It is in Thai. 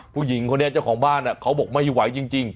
ผู้หญิงเขานี้เจ้าของบ้านน่ะเขาบอกไม่ไหวจริงจริง